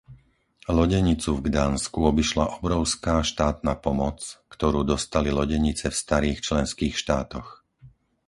Lodenicu v Gdansku obišla obrovská štátna pomoc, ktorú dostali lodenice v starých členských štátoch.